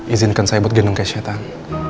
izinkan saya buat gendong kesnya tan